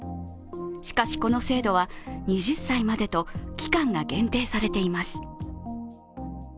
しかし、この制度は２０歳までと期間が限定されています。